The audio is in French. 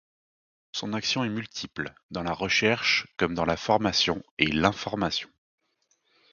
Son action est multiple dans la recherche comme dans la formation et l'information.